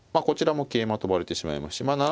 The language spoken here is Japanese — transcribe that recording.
こちらも桂馬跳ばれてしまいますしま